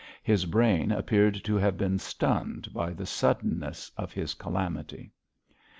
His brain appeared to have been stunned by the suddenness of his calamity.